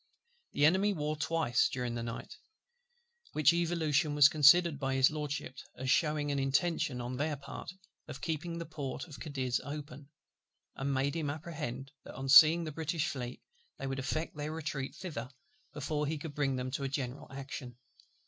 The Enemy wore twice during the night: which evolution was considered by His LORDSHIP as shewing an intention, on their part, of keeping the port of Cadiz open; and made him apprehend that on seeing the British Fleet, they would effect their retreat thither before he could bring them to a general action.